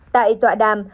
tại tọa đàm